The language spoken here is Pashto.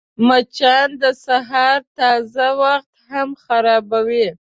مچان د سهار تازه وخت هم خرابوي